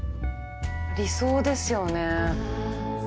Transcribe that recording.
理想ですよね。